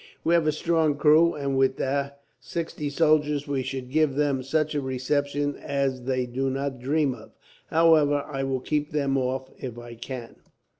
We have a strong crew, and with the sixty soldiers we should give them such a reception as they do not dream of. However, I will keep them off, if I can.